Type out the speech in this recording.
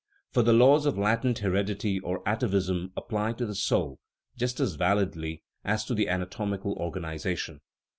For the laws of latent heredity or atavism apply to the soul just as validly as to the anatomical organization.